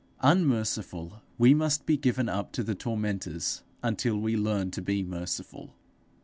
Unmerciful, we must be given up to the tormentors until we learn to be merciful.